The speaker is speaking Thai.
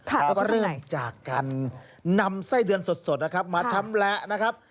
แล้วก็เริ่มจากการนำไส้เดือนสดนะครับมาชำแหละนะครับ